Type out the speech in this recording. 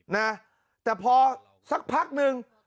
นะแต่พอสักพักหนึ่ง